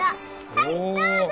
はいどうぞ！